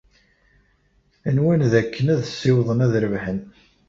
Nwan dakken ad ssiwḍen ad rebḥen.